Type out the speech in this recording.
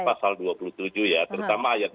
pasal dua puluh tujuh ya terutama ayat dua